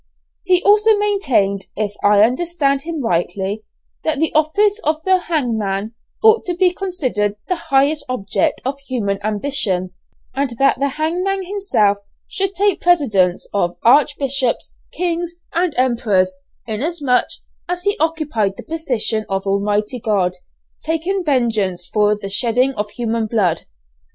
He also maintained, if I understand him rightly, that the office of the hangman ought to be considered the highest object of human ambition, and that the hangman himself should take precedence of archbishops, kings, and emperors, inasmuch as he occupied the position of Almighty God, taking vengeance for the shedding of human blood.